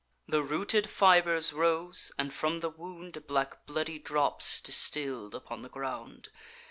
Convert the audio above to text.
The rooted fibers rose, and from the wound Black bloody drops distill'd upon the ground.